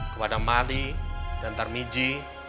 kepada mali dan tarmizi